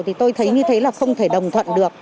thì tôi thấy như thế là không thể đồng thuận được